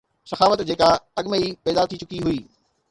سخاوت جيڪا اڳ ۾ ئي پيدا ٿي چڪي هئي